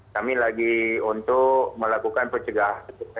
kami lagi untuk melakukan pencegahan